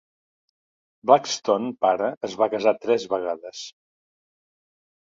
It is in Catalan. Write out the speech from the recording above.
Blackstone pare es va casar tres vegades.